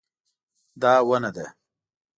دا ونه ده